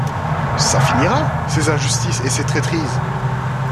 Ça finira, ces injustices et ces traîtrises!